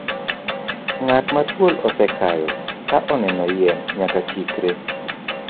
Ng'at ma thuol osekayo ka oneno yien nyaka chikre.